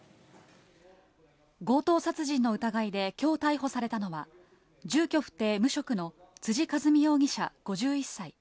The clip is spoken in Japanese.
強盗殺人の疑いできょう逮捕されたのは、住居不定無職の辻和美容疑者５１歳。